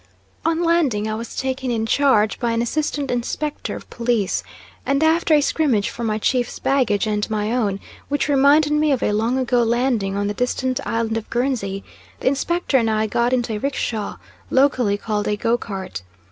On landing I was taken in charge by an Assistant Inspector of Police, and after a scrimmage for my chief's baggage and my own, which reminded me of a long ago landing on the distant island of Guernsey, the inspector and I got into a 'rickshaw, locally called a go cart.